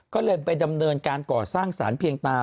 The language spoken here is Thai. ก็เลยไปดำเนินการก่อสร้างสารเพียงตา